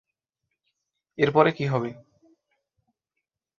এরপরে কি হবে?